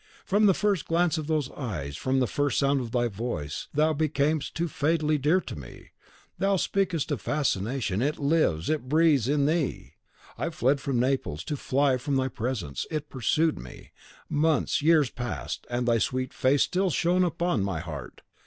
From the first glance of those eyes, from the first sound of thy voice, thou becamest too fatally dear to me. Thou speakest of fascination, it lives and it breathes in thee! I fled from Naples to fly from thy presence, it pursued me. Months, years passed, and thy sweet face still shone upon my heart.